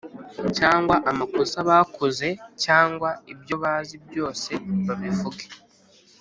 cyangwa amakosa bakoze cyangwa ibyo bazi byose babivuge